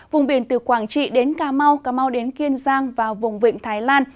vùng biển từ quảng trị đến cà mau cà mau đến kiên giang và vùng vịnh thái lan